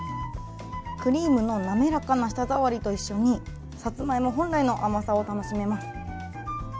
クリームの滑らかな舌触りと一緒に、サツマイモ本来の甘さを楽しめます。